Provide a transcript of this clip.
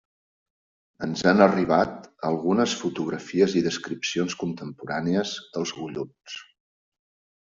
Ens han arribat algunes fotografies i descripcions contemporànies dels golluts.